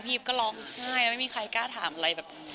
พี่พีพก็ร้องง่ายไม่มีใครกล้าถามอะไร